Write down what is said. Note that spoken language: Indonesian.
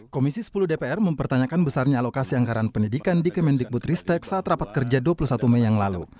komisi sepuluh dpr mempertanyakan besarnya alokasi anggaran pendidikan di kemendikbud ristek saat rapat kerja dua puluh satu mei yang lalu